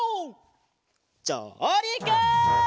じょうりく！